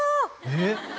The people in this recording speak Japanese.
えっ？